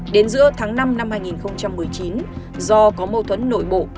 đến giữa tháng năm năm hai nghìn một mươi chín do có mâu thuẫn nội bộ